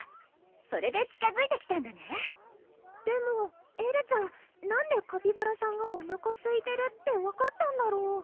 それで近づいてきたんだねでもエルちゃんなんでカピバラさんがおなかすいてるって分かったんだろ